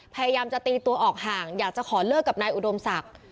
พยายามจะตีอยากจะขอเลิกกับนายอุดมศักดิ์